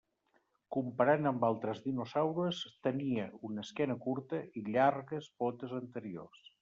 Comparant amb altres dinosaures tenia una esquena curta i llargues potes anteriors.